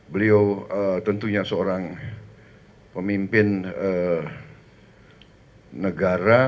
beliau tentunya seorang pemimpin negara